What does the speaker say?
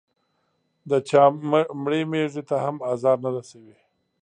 د چا مړې مېږې ته هم ازار نه رسوي.